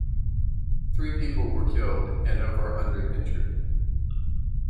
Three people were killed and over a hundred injured.